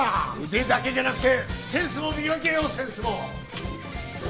腕だけじゃなくてセンスも磨けよセンスも！